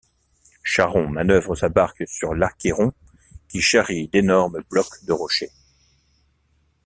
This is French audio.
Charon manœuvre sa barque sur l'Achéron qui charrie d'énormes blocs de rochers.